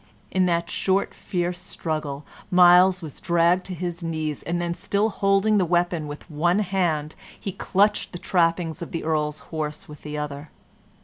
In that short, fierce struggle Myles was dragged to his knees, and then, still holding the weapon with one hand, he clutched the trappings of the Earl's horse with the other.